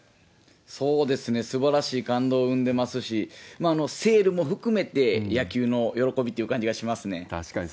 そうですね、すばらしい感動を生んでますし、セールも含めて野球の喜びっていう感じがしますね。